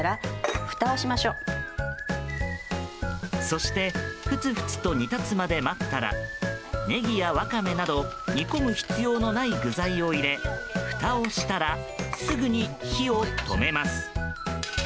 そしてふつふつと煮立つまで待ったらネギやワカメなど煮込む必要のない具材を入れふたをしたらすぐに火を止めます。